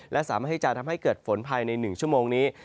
และสามารถที่จะทำให้เกิดฝนภายใน๑ชั่วโมงนี้